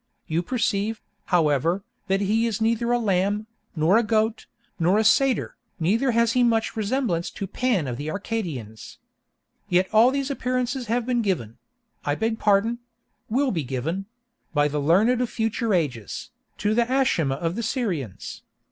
You perceive, however, that he is neither a lamb, nor a goat, nor a satyr, neither has he much resemblance to the Pan of the Arcadians. Yet all these appearances have been given—I beg pardon—will be given—by the learned of future ages, to the Ashimah of the Syrians.